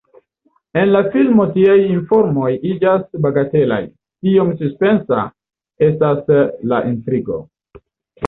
En la filmo tiaj informoj iĝas bagatelaj, tiom suspensa estas la intrigo.